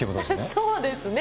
そうですね。